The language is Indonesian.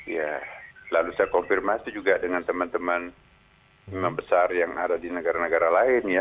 ya lalu saya konfirmasi juga dengan teman teman imam besar yang ada di negara negara lain ya